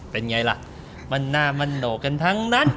เป็นไงล่ะมันหน้ามันโหนกกันทั้งนั้น